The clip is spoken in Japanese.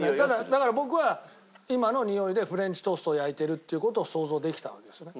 だから僕は今のにおいでフレンチトーストを焼いてるっていう事を想像できたわけですね。